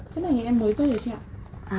cái này thì em mới về chị ạ